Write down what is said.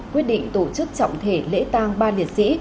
quyết định tổ chức trọng thể lễ tang ba liệt sĩ